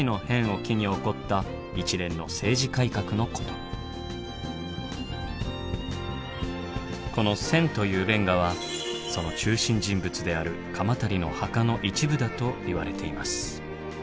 だからこのというレンガはその中心人物である鎌足の墓の一部だといわれています。